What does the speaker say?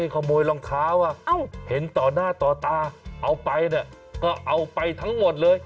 ขโมยรองเท้าเห็นต่อหน้าต่อตาเอาไปเนี่ยก็เอาไปทั้งหมดเลย